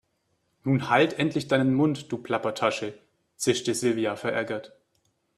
Nun halt endlich deinen Mund, du Plappertasche, zischte Silvia verärgert.